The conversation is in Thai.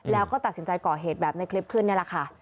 แล้วก็ตัดสินใจก่อเหตุแบบในคลิปขึ้นนี่แหละค่ะ